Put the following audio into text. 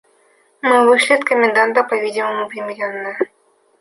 Мы вышли от коменданта по-видимому примиренные.